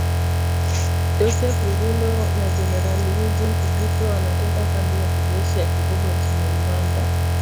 Joseph Rurindo na Generali Eugene Nkubito, wanatoka kambi ya kijeshi ya Kibungo nchini Rwanda wenye nia ya kuvuruga utulivu mashariki mwa Kongo